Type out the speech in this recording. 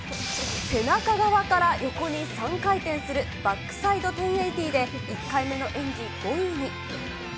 背中側から横に３回転するバックサイド１０８０で１回目の演技５位に。